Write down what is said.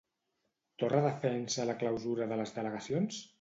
Torra defensa la clausura de les delegacions?